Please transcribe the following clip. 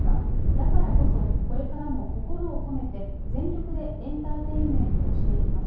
だからこそこれからも心を込めて、全力でエンターテインメントをしていきます。